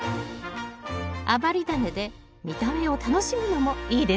余りダネで見た目を楽しむのもいいですよね